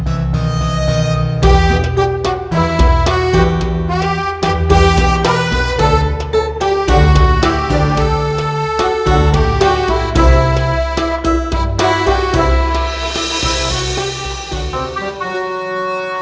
udah kebuka jangan ngelap nih